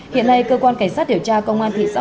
hiện nay cơ quan cảnh sát điều tra công an thị xã